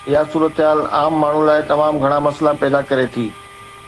اها صورتحال عام ماڻهوءَ لاءِ تمام گهڻا مسئلا پيدا ڪري ٿي